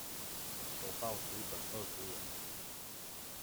首報族等二十人